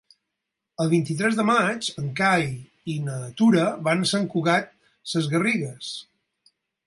El vint-i-tres de maig en Cai i na Tura van a Sant Cugat Sesgarrigues.